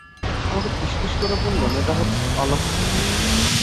আমাকে ফিসফিস করে বললেন, এটা হচ্ছে অলক্ষণ।